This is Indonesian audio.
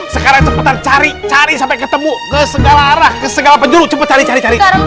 sekarang cepetan cari cari sampai ketemu ke segala segala penjuru cepet cari cari